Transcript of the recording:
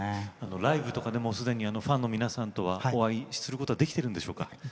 ライブとかでもファンの皆さんとはお会いすることはできているんでしょうか。